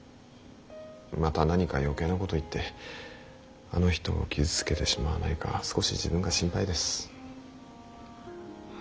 また何か余計なこと言ってあの人を傷つけてしまわないか少し自分が心配です。